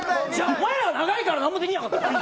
お前らが長いから何もできなかったんだよ！